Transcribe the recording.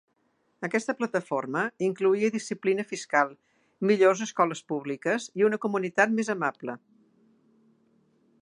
Aquesta plataforma incloïa disciplina fiscal, millors escoles públiques i una comunitat més amable.